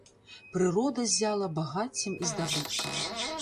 Прырода ззяла багаццем і здабыткам.